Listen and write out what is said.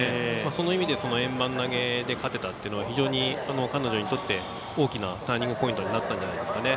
その意味で円盤投げで勝てたのは非常に彼女にとって大きなターニングポイントになったんじゃないでしょうかね。